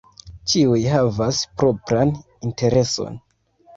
Ĉiuj havas propran intereson.